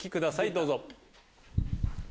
どうぞ。